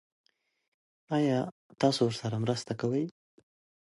ایا تاسو ورسره مرسته کوئ؟